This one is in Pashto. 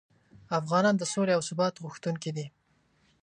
افغانان د سولې او ثبات غوښتونکي دي.